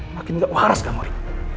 makin gak waras kak mury